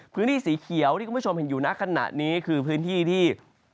พื้นที่สีเขียวที่คุณผู้ชมเห็นอยู่นะขณะนี้คือพื้นที่ที่